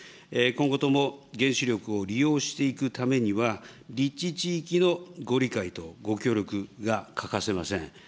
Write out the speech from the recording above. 今後とも原子力を利用していくためには、立地地域のご理解とご協力が欠かせません。